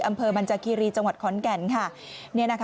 อำเภอมันจาคีรีจังหวัดค้อนแก่น